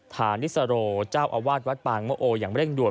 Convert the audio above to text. ฐานิสโรเจ้าอาวาสวัดปางมะโออย่างเร่งด่ว